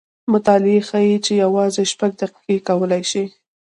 مطالعې ښیې چې یوازې شپږ دقیقې کولی شي